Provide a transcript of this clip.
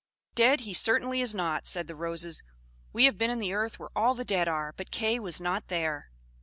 "Dead he certainly is not," said the Roses. "We have been in the earth where all the dead are, but Kay was not there."